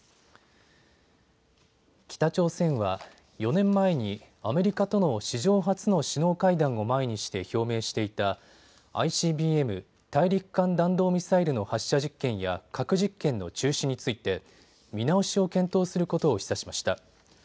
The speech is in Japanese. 北朝鮮は４年前にアメリカとの史上初の首脳会談を前にして表明していたＩＣＢＭ・大陸間弾道ミサイルの発射実験や核実験の中止について見直しを検討することを示唆しました。